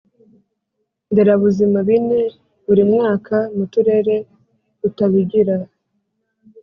Nderabuzima bine buri mwaka mu turere tutabigira